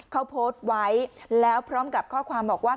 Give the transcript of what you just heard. เขาโพสต์ไว้แล้วพร้อมกับข้อความบอกว่า